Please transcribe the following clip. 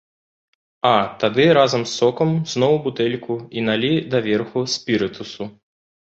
А тады, разам з сокам, зноў у бутэльку і налі даверху спірытусу.